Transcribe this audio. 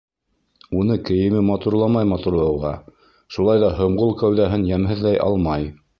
Уны кейеме матурламай матурлауға, шулай ҙа һомғол кәүҙәһен йәмһеҙләй алмай.